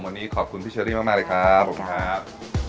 วันนี้ขอบคุณพี่เชอรี่มากเลยครับ